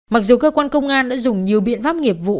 mặc dù cơ quan công an đã dùng nhiều biện pháp nghiệp vụ